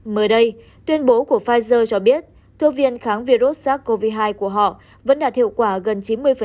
mới đây tuyên bố của pfizer cho biết thuốc viên kháng virus sars cov hai của họ vẫn đạt hiệu quả gần chín mươi